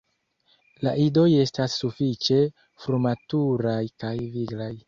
La idoj estas sufiĉe frumaturaj kaj viglaj.